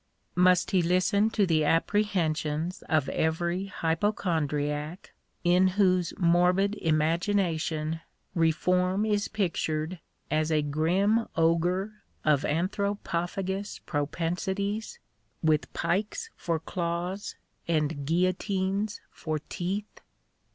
Must he listen to the apprehensions of every hypochondriac, in whose morbid imagination Reform is pictured as a grim ogre of anthropophagous propensities, with pikes for claws and guillotines for teeth